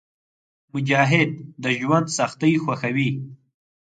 مجاهد د ژوند سختۍ خوښوي.